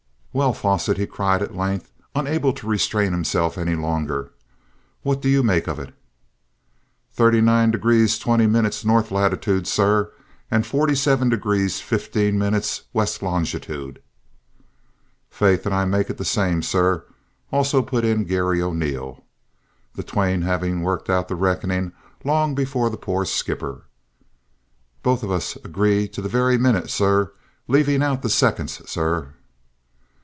"Well, Fosset," he cried at length, unable to restrain himself any longer. "What do you make it?" "39° 20 minutes north latitude sir, and 47° 15 minutes west longitude." "Faith, an' I make it the same, sir," also put in Garry O'Neil, the twain having worked out the reckoning long before the poor skipper. "Both of us agree to the virry minnit, sure, lavin' out the sicconds, sir!"